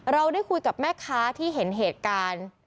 เราได้คุยกับแม่ค้าที่เห็นเหตุการณ์